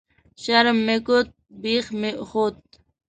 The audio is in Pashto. شرم مې کوت ، بيخ مې خوت